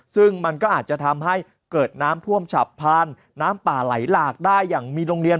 ซึ่งมันก็อาจจะทำให้เกิดน้ำท่วมฉับพลันน้ำป่าไหลหลากได้อย่างมีโรงเรียน